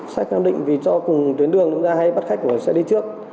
sách cam định vì do cùng tuyến đường cũng ra hay bắt khách của xe đi trước